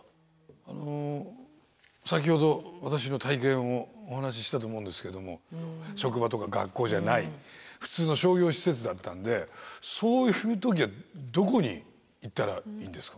あの先ほど私の体験をお話ししたと思うんですけども職場とか学校じゃない普通の商業施設だったんでそういう時はどこに行ったらいいんですか？